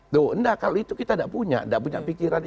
tuh enggak kalau itu kita enggak punya enggak punya pikiran itu